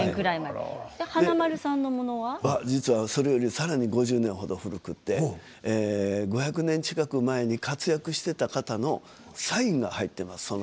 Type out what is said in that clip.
華丸さんのものはそれよりさらに５０年ほど古くて５００年近く前に活躍していた方のサインが入っています